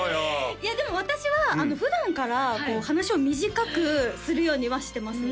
いやでも私は普段から話を短くするようにはしてますね